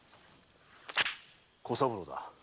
小三郎だ。